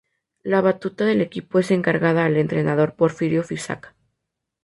La batuta del equipo es encargada al entrenador Porfirio Fisac.